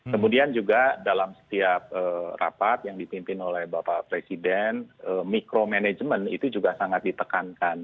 kemudian juga dalam setiap rapat yang dipimpin oleh bapak presiden mikromanagement itu juga sangat ditekankan